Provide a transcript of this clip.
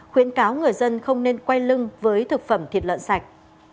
khuyến cáo người dân không nên quay lưng với thực phẩm thịt lợn sạch